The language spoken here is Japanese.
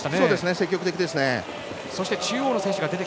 積極的ですね。